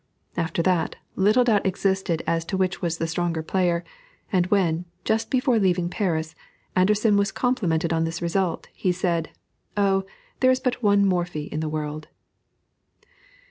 After that, little doubt existed as to which was the stronger player, and when, just before leaving Paris, Anderssen was complimented on this result, he said, "Oh, there is but one Morphy in the world."